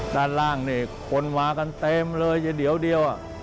ด้านล่างคนวากันเต็มเลยอย่าเดี๋ยว